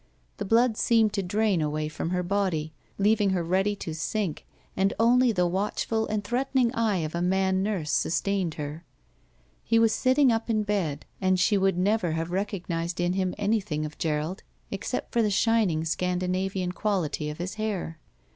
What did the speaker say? The blood seemed to drain away from her body, leaving her ready to sink, and only the watch ful and threatening eye of a man nurse sustained her. He was sitting up in bed, and she would never have recognized in him anything of Gerald except for the shining Scandinavian quality of his hair.